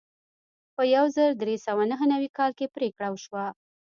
په یو زر درې سوه نهه نوي کال کې پریکړه وشوه.